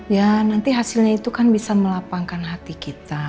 ya nanti hasilnya itu kan bisa melapangkan hati kita